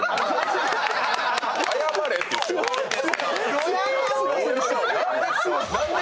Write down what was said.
謝れって言ってるのに。